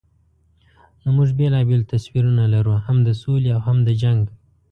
نو موږ بېلابېل تصویرونه لرو، هم د سولې او هم د جنګ.